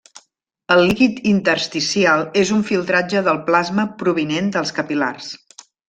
El líquid intersticial és un filtratge del plasma provinent dels capil·lars.